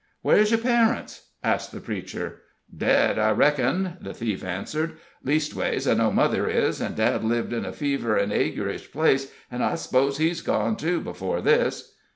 "Where's your parents?" asked the preacher. "Dead, I reckon," the thief answered. "Leastways, I know mother is, and dad lived in a fever an' aguerish place, an' I s'pose he's gone, too, before this."